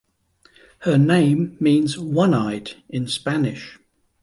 Her name means "one-eyed" in Spanish.